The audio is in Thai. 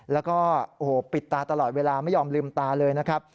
แล้วก็โอ้โหปิดตาตลอดเวลาไม่ยอมลืมตาเลยนะครับ